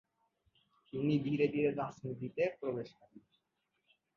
তিনি ধীরে ধীরে রাজনীতিতে প্রবেশ করেন।